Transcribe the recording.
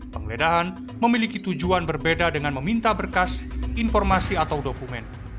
penggeledahan memiliki tujuan berbeda dengan meminta berkas informasi atau dokumen